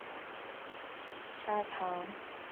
沙塘鳢碘泡虫为碘泡科碘泡虫属的动物。